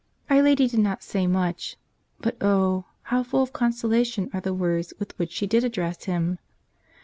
Our Lady did not say much. But oh ! how full of consolation are the words with which she did address him.